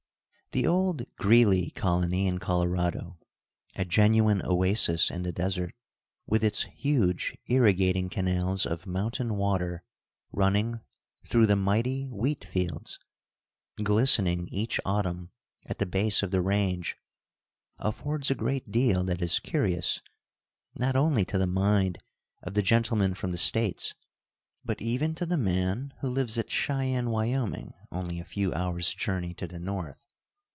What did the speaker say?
The old Greeley Colony in Colorado, a genuine oasis in the desert, with its huge irrigating canals of mountain water running through the mighty wheat fields, glistening each autumn at the base of the range, affords a good deal that is curious, not only to the mind of the gentleman from the States, but even to the man who lives at Cheyenne, W.T., only a few hours' journey to the north.